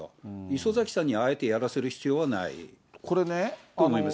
礒崎さんにあえてやらせる必要はないと思います。